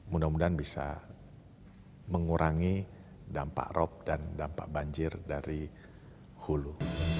mudah mudahan bisa mengurangi dampak rop dan dampak banjir dari hulu